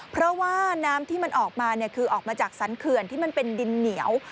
เพราะว่าน้ำที่มันออกมาคือออกมาจากสรรเขื่อนที่มันเป็นดินเหนียว